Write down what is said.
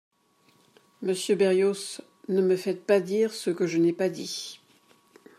Monsieur Berrios, ne me faites pas dire ce que je n’ai pas dit.